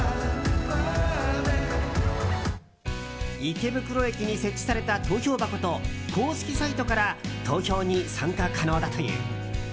池袋駅に設置された投票箱と公式サイトから投票に参加可能だという。